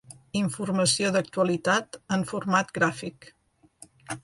Informació d'actualitat en format gràfic.